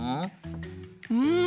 うん。